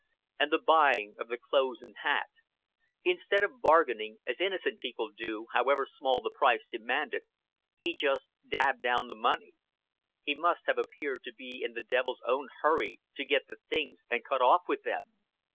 And the buying of the clothes and hat. Instead of bargaining, as innocent people do, however small the price demanded, he just dabbed down the money. He must have appeared to be in the devil's own hurry to get the things and cut off with them.